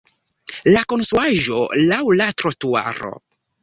La konstruaĵo laŭ la trotuaro.